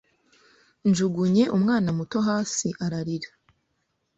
Njugunye umwana muto hasi ararira